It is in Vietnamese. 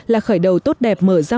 là khởi đầu tốt đẹp mở ra